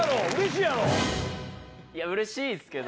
いや、うれしいですけど。